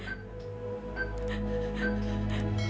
dia sudah berakhir